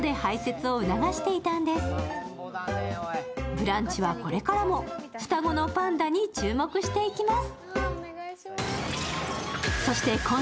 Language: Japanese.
「ブランチ」はこれからも双子のパンダに注目していきます。